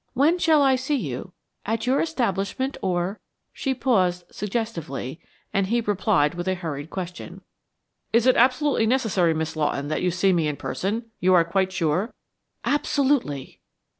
Where shall I see you? At your establishment or " She paused suggestively, and he replied with a hurried question. "It is absolutely necessary, Miss Lawton, that you see me in person? You are quite sure?" "Absolutely."